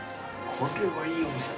これはいいお店。